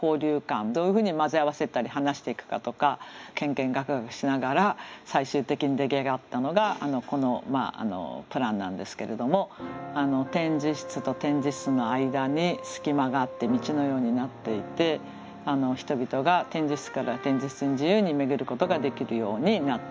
どういうふうに混ぜ合わせたりはなしていくかとかけんけんがくがくしながら最終的に出来上がったのがこのプランなんですけれども展示室と展示室の間に隙間があって道のようになっていて人々が展示室から展示室に自由に巡ることができるようになっています。